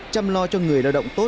chăm lo cho người lao động